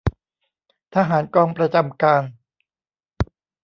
ทหารกองประจำการ